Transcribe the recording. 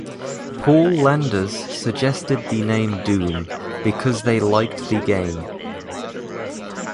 Paul Landers suggested the name "Doom" because they liked the game.